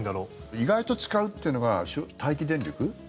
意外と使うっていうのが待機電力。